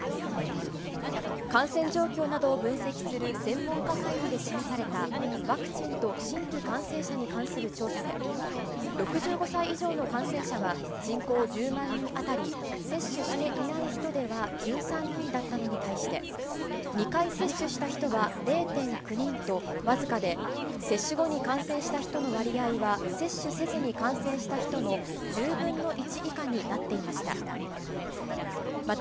感染状況などを分析する専門家会議で示された、ワクチンと新規感染者に関する調査で、６５歳以上の感染者は、人口１０万人当たり、接種していない人では１３人だったのに対して、２回接種した人は０．９人と僅かで、接種後に感染した人の割合は、接種せずに感染した人の１０分の１以下になっていました。